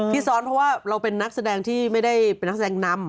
ซ้อนเพราะว่าเราเป็นนักแสดงที่ไม่ได้เป็นนักแสดงนำ